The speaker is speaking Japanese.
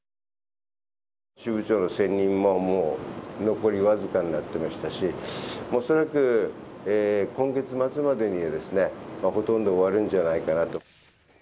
支部長の選任ももう、残り僅かになってましたし、恐らく、今月末までにはほとんど終わるんじゃないかなと。